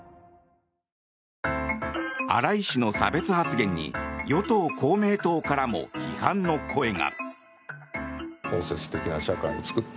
荒井氏の差別発言に与党・公明党からも批判の声が。